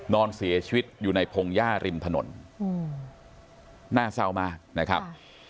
นอนเสียชีวิตอยู่ในพงหญ้าริมถนนน่าเศร้ามากนะครับ